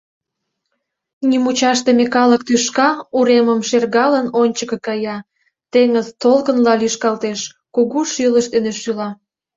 Нимучашдыме калык тӱшка, уремым шергалын, ончыко кая, теҥыз толкынла лӱшкалтеш, кугу шӱлыш дене шӱла.